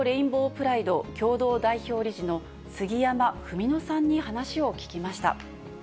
プライド共同代表理事の杉山文野さんに話を聞きました。